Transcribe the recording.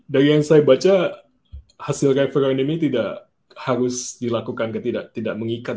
dari yang saya baca hasil referendum ini tidak harus dilakukan atau tidak tidak mengikat